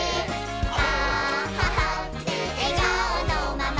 あははってえがおのまま」